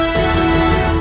aku akan membunuhnya